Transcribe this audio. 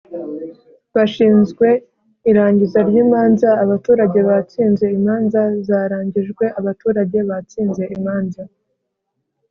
bashinzwe irangiza ry imanza abaturage batsinze imanza zarangijwe abaturage batsinze imanza